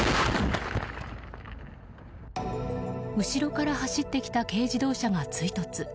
後ろから走ってきた軽自動車が追突。